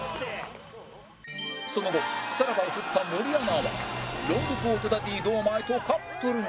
その後さらばをフッた森アナはロングコートダディ堂前とカップルに